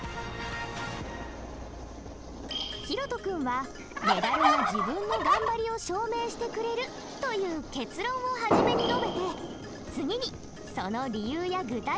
ひろと君は「メダルが自分の頑張りを証明してくれる」という結論を初めに述べて次にその理由や具体的なエピソード。